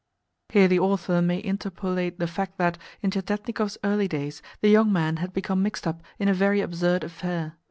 (Here the author may interpolate the fact that, in Tientietnikov's early days, the young man had become mixed up in a very absurd affair.